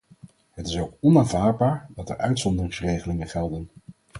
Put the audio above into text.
Het is ook onaanvaardbaar dat er uitzonderingsregelingen gelden.